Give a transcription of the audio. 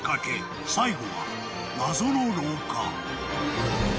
［最後は謎の廊下］